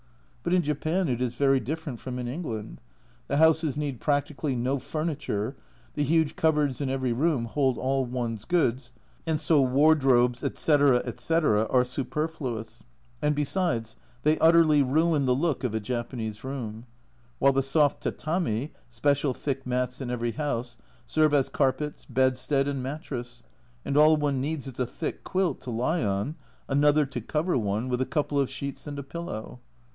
But in Japan it is very different from in England the houses need practically no furniture, the huge cupboards in every room hold all one's goods, and so wardrobes, etc. etc. are superfluous (and, besides, they utterly ruin the look of a Japanese room), while the soft tatami (special thick mats in every house) serve as carpets, bedstead, and mattress, and all one needs is a thick quilt to lie on, another to cover one, with a couple of sheets and a pillow.